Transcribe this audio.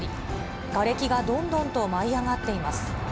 がれきがどんどんと舞い上がっています。